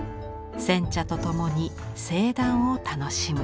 煎茶と共に清談を楽しむ。